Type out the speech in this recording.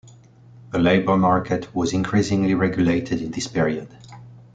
The labor market was increasingly regulated in this period.